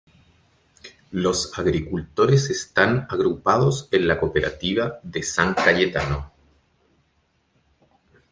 Los agricultores están agrupados en la Cooperativa de San Cayetano.